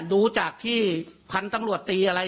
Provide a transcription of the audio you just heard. ดูจากที่เพลินท้านทำรวจตีอะไร